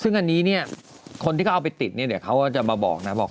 ซึ่งคนที่เอาไปติดเขาจะมาบอก